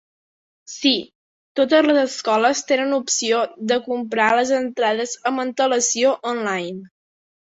Sí, totes les escoles tenen opció de comprar les entrades amb antel·lacio online.